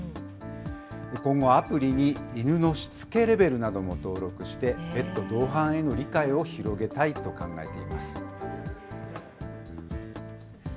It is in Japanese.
今後、アプリに犬のしつけレベルなども登録して、ペット同伴への理解を広げたいと考えています。